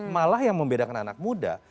malah yang membedakan anak muda